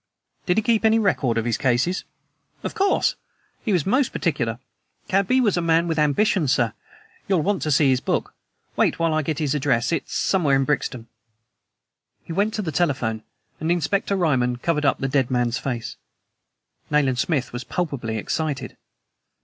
"Did he keep any record of his cases?" "Of course! He was most particular. Cadby was a man with ambitions, sir! You'll want to see his book. Wait while I get his address; it's somewhere in Brixton." He went to the telephone, and Inspector Ryman covered up the dead man's face. Nayland Smith was palpably excited.